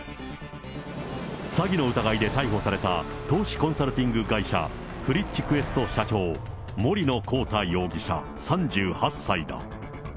詐欺の疑いで逮捕された投資コンサルティング会社、フリッチクエスト社長、森野広太容疑者３８歳だ。